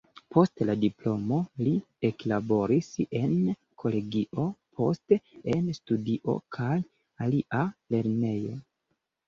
Post la diplomo li eklaboris en kolegio, poste en studio kaj alia lernejo.